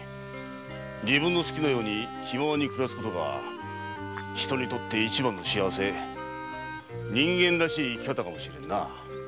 自分が好きなように気ままに暮らすことが人にとって一番の幸せ人間らしい生き方かもしれんな。